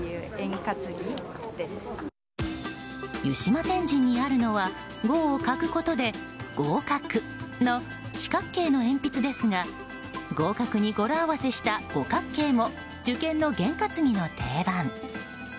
湯島天神にあるのは「５を欠く」ことで「ごおかく」の四角形の鉛筆ですが合格に語呂合わせした５角形も受験の験担ぎの定番。